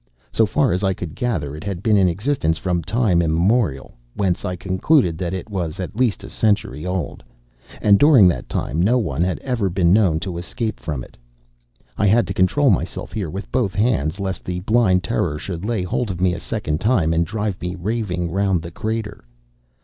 So far as I could gather, it had been in existence from time immemorial whence I concluded that it was at least a century old and during that time no one had ever been known to escape from it. [I had to control myself here with both hands, lest the blind terror should lay hold of me a second time and drive me raving round the crater.